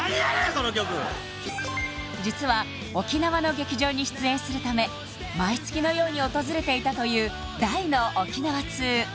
その曲実は沖縄の劇場に出演するため毎月のように訪れていたという大の沖縄通